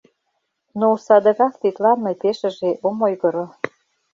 Но садыгак тидлан мый пешыже ом ойгыро.